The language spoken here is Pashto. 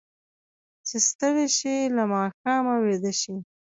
چې ستړي شي، له ماښامه ویده شي.